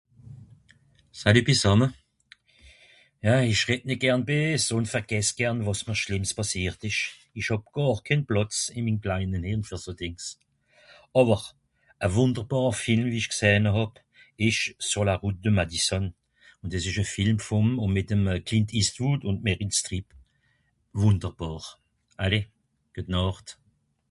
"Salü bìssàmme. Ja ìch redd nìt gern bees ùn vergess gern wàs m'r schlìmms pàssìert ìsch. Ìch hàb gàr ken Plàtz ìn mim kleine Hìrn fer so Dìngs. Àwer, a wùnderbàr Film, wie ìch gsehn hàb ìsch ""sur la route de Madison"". Ùn dìs ìsch e Film vùm ùn mìt'm Klint Eastwood ùn Meryl Streep Strip. Wùnderbàr. Allez, güet Nàcht !"